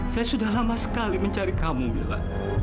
saya sudah lama sekali mencari kamu bilang